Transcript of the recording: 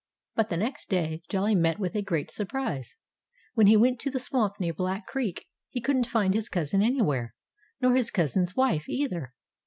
But the next day Jolly met with a great surprise. When he went to the swamp near Black Creek he couldn't find his cousin anywhere nor his cousin's wife, either.